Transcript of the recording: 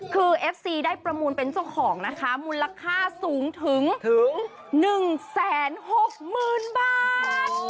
คือเอฟซีได้ประมูลเป็นเจ้าของนะคะมูลค่าสูงถึง๑๖๐๐๐บาท